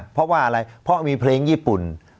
เพราะว่าอะไรเพราะมีเพลงญี่ปุ่น